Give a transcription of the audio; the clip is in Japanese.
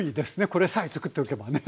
これさえ作っておけばね。